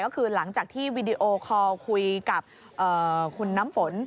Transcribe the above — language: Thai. ก็คือหลังจากที่วีดีโอคอลคุยกับคุณน้ำฝน